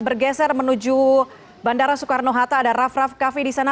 bergeser menuju bandara soekarno hatta ada raf raf cafe di sana